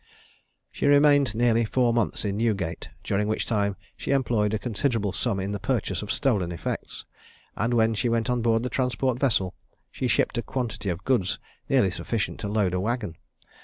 She remained nearly four months in Newgate, during which time she employed a considerable sum in the purchase of stolen effects; and when she went on board the transport vessel, she shipped a quantity of goods nearly sufficient to load a waggon.